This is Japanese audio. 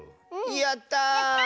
やった！